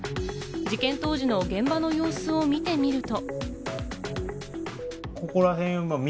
事件当時の現場の様子を見てみると。